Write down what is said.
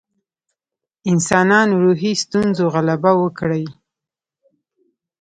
انسانان روحي ستونزو غلبه وکړي.